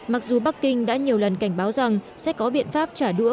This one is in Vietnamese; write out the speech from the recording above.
mặc dù bắc kinh đã nhiều lần cảnh báo rằng sẽ có biện pháp trả đũa